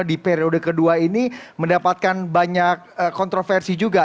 di periode kedua ini mendapatkan banyak kontroversi juga